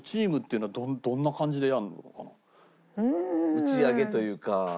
打ち上げというか。